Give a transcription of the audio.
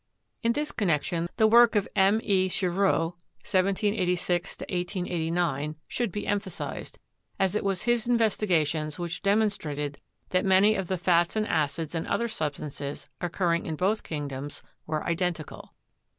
In this connection the work of M. E. Chevreul (1786 1889) should be emphasized, as it was his investi gations which demonstrated that many of the fats and acids and other substances, occurring in both kingdoms, were identical.